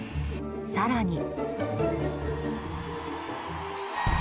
更に。